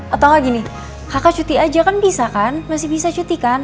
atau enggak gini kakak cuti aja kan bisa kan masih bisa cuti kan